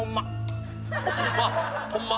ホンマ？